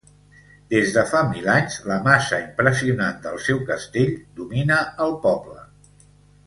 Des de fa mil anys, la massa impressionant del seu castell domina el poble.